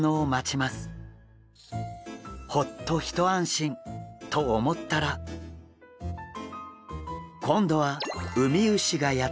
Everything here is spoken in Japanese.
ホッと一安心。と思ったら今度はウミウシがやって来ました！